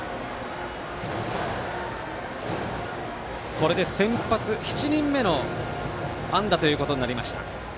これで先発７人目の安打ということになりました。